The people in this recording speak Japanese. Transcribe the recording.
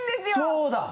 そうだ。